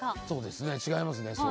そうですね違いますね